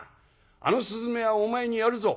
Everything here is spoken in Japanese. あの雀はお前にやるぞ」。